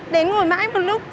đến ngồi mãi một lúc